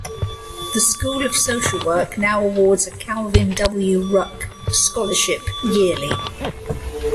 The School of Social Work now awards a Calvin W. Ruck scholarship yearly.